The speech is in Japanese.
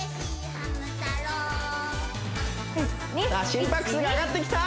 心拍数が上がってきた！